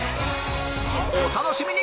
⁉お楽しみに！